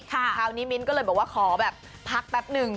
คราวนี้มิ้นก็เลยบอกว่าขอแบบพักแป๊บนึง